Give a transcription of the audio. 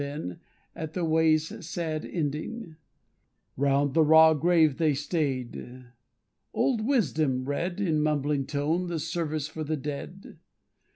Then, at the way's sad ending, Round the raw grave they stay'd. Old Wisdom read, In mumbling tone, the Service for the Dead.